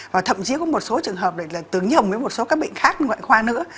và thậm chí có một số trường hợp tử nhồng với một số các bệnh khác ngoại khoa nữa